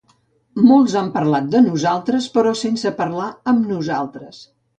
Molts han parlat de nosaltres però sense parlar amb nosaltres.